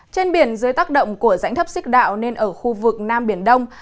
trên biển dưới tác động của rãnh thấp xích đạo nên ở khu vực nam biển đông